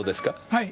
はい。